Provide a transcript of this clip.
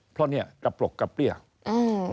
เพราะเนี้ยกระปรกกระเปรี้ยอืม